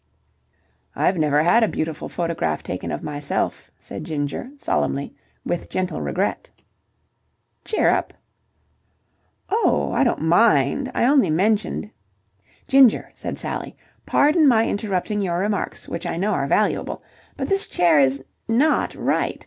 "I've never had a beautiful photograph taken of myself," said Ginger, solemnly, with gentle regret. "Cheer up!" "Oh, I don't mind. I only mentioned..." "Ginger," said Sally, "pardon my interrupting your remarks, which I know are valuable, but this chair is not right!